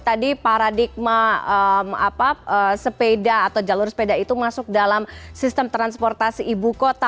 tadi paradigma sepeda atau jalur sepeda itu masuk dalam sistem transportasi ibu kota